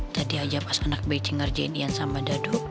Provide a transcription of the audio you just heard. tadi aja pas anak bece ngerjain ian sama dadu